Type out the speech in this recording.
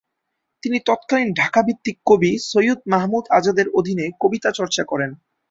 তিনি তৎকালীন ঢাকা ভিত্তিক কবি সৈয়দ মাহমুদ আজাদের অধীনে কবিতা চর্চা করেন।